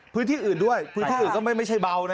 พื้นที่อื่นด้วยพื้นที่อื่นก็ไม่ใช่เบานะ